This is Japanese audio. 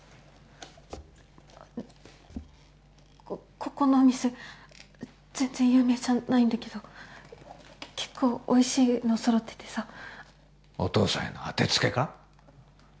ここのお店全然有名じゃないんだけど結構おいしいの揃っててさお父さんへの当てつけか？